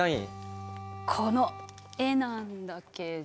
この絵なんだけど。